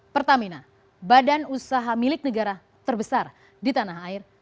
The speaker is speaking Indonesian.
pertamina badan usaha milik negara terbesar di tanah air